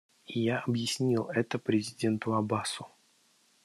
Я объяснил это президенту Аббасу.